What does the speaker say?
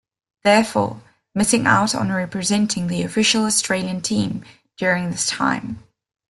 Therefore, missing out on representing the official Australian team during this time.